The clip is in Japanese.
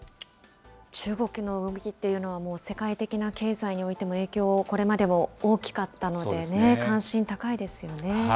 中国の動きっていうのは、世界的な経済においても影響、これまでも大きかったのでね、関心、高いですよね。